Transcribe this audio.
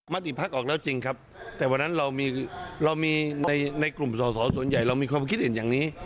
มติพักออกแล้วจริงครับแต่วันนั้นเรามีในกลุ่มสอสอส่วนใหญ่เรามีความคิดอื่นอย่างนี้